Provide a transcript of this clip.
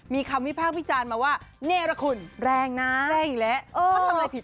มีคำวิพากษ์วิจารณ์มาว่าเนรคุณแรงนะแรงอีกแล้วเขาทำอะไรผิด